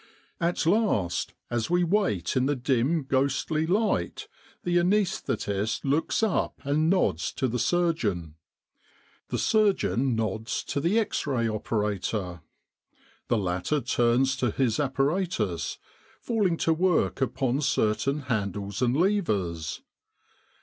At last, as we wait in the dim ghostly light, the anaesthetist looks up and nods to the sur S 26; \ With the R.A.M.C. in Egypt geon. The surgeon nods to the X Ray operator. The latter turns to his apparatus, falling to work upon certain handles and levers.